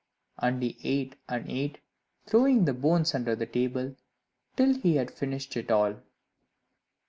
And he ate and ate, throwing the bones under the table, till he had finished it all.